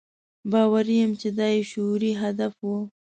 باوري یم چې دا یې شعوري هدف و.